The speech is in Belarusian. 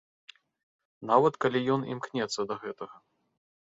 Нават калі ён імкнецца да гэтага.